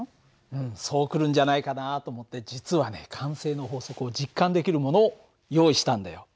うんそう来るんじゃないかなと思って実はね慣性の法則を実感できるものを用意したんだよ。